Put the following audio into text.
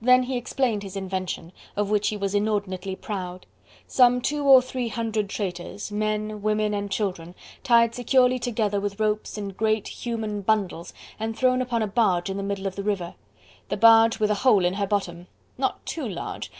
Then he explained his invention, of which he was inordinately proud. Some two or three hundred traitors, men, women, and children, tied securely together with ropes in great, human bundles and thrown upon a barge in the middle of the river: the barge with a hole in her bottom! not too large!